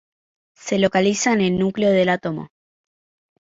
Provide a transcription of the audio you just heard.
Se localiza en el núcleo del átomo.